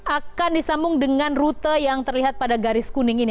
akan disambung dengan rute yang terlihat pada garis kuning ini